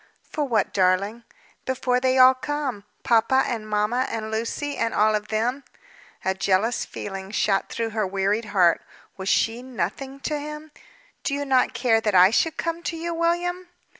"For what, darling?" "Before they all come. Papa and mamma, and Lucy, and all of them." A jealous feeling shot across her wearied heart. Was she nothing to him? "Do you not care that I should come to you, William?"